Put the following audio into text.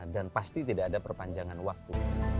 dan pasti tidak ada perpanjangan waktu